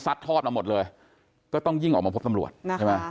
ทอดมาหมดเลยก็ต้องยิ่งออกมาพบตำรวจใช่ไหม